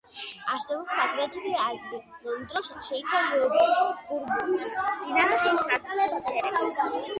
არსებობს აგრეთვე აზრი, რომ დროშა შეიცავს ბურბონთა დინასტიის ტრადიციულ ფერებს.